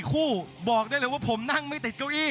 คู่บอกได้เลยว่าผมนั่งไม่ติดเก้าอี้